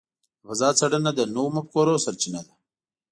د فضاء څېړنه د نوو مفکورو سرچینه ده.